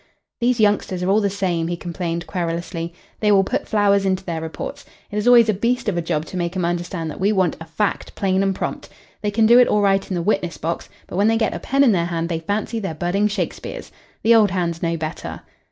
"These youngsters are all the same," he complained querulously. "They will put flowers into their reports. It is always a beast of a job to make 'em understand that we want a fact plain and prompt. They can do it all right in the witness box, but when they get a pen in their hand they fancy they're budding Shakespeares. The old hands know better."